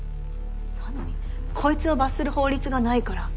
なのにこいつを罰する法律がないから。